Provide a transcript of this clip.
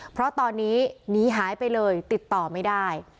เพราะตอนนี้หนีหายไปเลยติดต่อไม่ได้